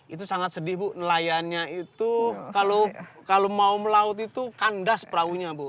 itu sangat sedih bu nelayannya itu kalau mau melaut itu kandas perahunya bu